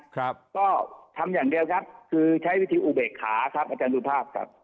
ครับก็ทำอย่างเดียวครับคือใช้วิธีอุเบกขาครับอาจารย์สุภาพครับ